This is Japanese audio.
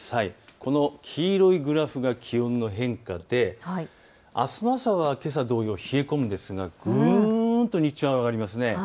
この黄色いグラフが気温の変化であすの朝はけさ同様、冷え込むんですが日中上がります。